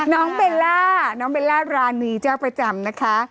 เบลล่าน้องเบลล่ารานีเจ้าประจำนะคะ